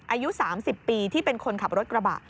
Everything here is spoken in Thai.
อายุ๓๐ปีที่เป็นคนขับรถกระบะ